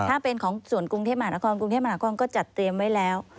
ถ้าเป็นของส่วนกรุงเทพมหานครกรุงเทพมหานครก็จัดเตรียมไว้แล้ว